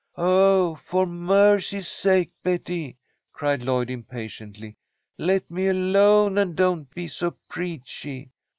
"Oh, for mercy's sake, Betty," cried Lloyd, impatiently, "let me alone and don't be so preachy.